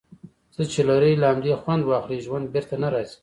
څۀ چې لرې، له همدې خؤند واخله. ژؤند بیرته نۀ را ګرځي.